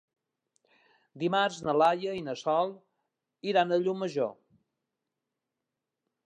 Dimarts na Laia i na Sol iran a Llucmajor.